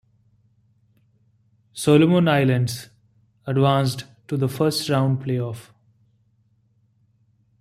"Solomon Islands" advanced to the First Round Play-off.